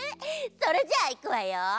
それじゃあいくわよ。